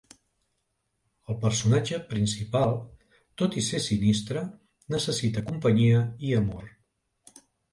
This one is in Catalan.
El personatge principal, tot i ser sinistre, necessita companyia i amor.